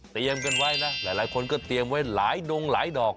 กันไว้นะหลายคนก็เตรียมไว้หลายดงหลายดอก